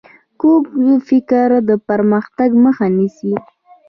کوږ فکر د پرمختګ مخ نیسي